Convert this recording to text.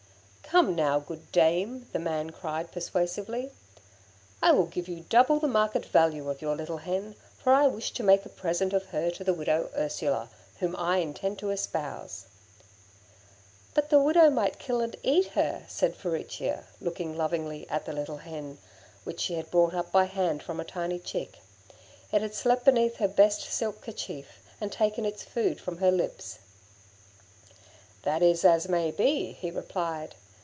'Come now, good dame,' the man cried, persuasively, 'I will give you double the market value of your little hen, for I wish to make a present of her to the widow Ursula, whom I intend to espouse.' 'But the widow might kill and eat her!' said Furicchia, looking lovingly at the little hen, which she had brought up by hand from a tiny chick. It had slept beneath her best silk 'kerchief, and taken its food from her lips. 'That is as may be,' he replied.